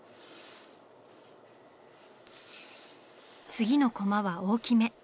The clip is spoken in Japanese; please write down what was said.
次のコマは大きめ。